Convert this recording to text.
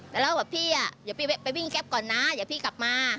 แล้วก็พี่อะอย่าพี่ไปวิ่งแก๊บก่อนนะอย่าพี่กลับมา